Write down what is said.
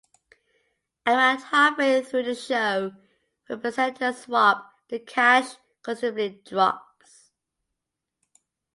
Around halfway through the show, when the presenters swap, the cash considerably drops.